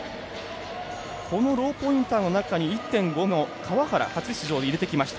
このローポインターの中に１．５の川原初出場を入れてきました。